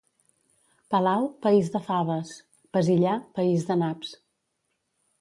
Palau, país de faves... Pesillà, país de naps.